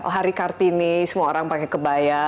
hari kartini semua orang pakai kebaya